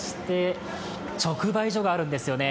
直売所があるんですよね。